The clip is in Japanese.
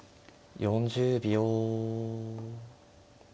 ４０秒。